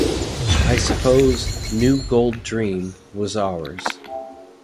"I suppose "New Gold Dream" was ours.